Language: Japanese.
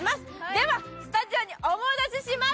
ではスタジオにお戻しします。